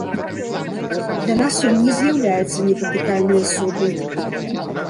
Для нас ён не з'яўляецца недатыкальнай асобай.